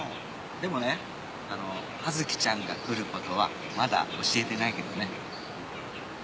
でもねあの葉月ちゃんが来る事はまだ教えてないけどね。